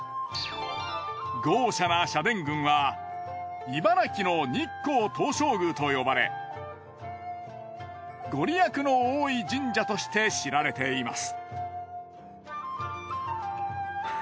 豪奢な社殿群は茨城の日光東照宮と呼ばれご利益の多い神社として知られています。